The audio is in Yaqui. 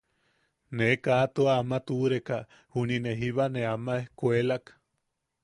Ne kaa tua ama tuʼureka juni ne jiba ne ama ejkuelak.